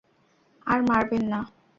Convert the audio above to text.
আর মারবেন না।